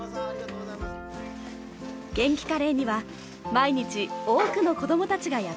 げんきカレーには毎日多くの子どもたちがやって来ます。